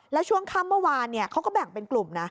แล้วช่วงค่ำเมื่อวานเขาก็แบ่งเป็นกลุ่มนะ